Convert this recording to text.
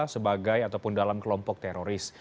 sebagai ataupun dalam kelompok teroris